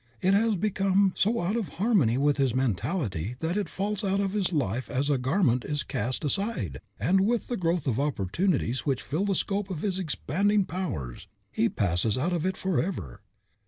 It has become so out of harmony with his mentality that it falls out of his life as a garment is cast aside, and, with the growth of opportunities which fit the scope of his expanding powers, he passes out of it forever.